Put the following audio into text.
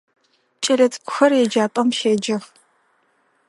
Кӏэлэцӏыкӏухэр еджапӏэм щеджэх.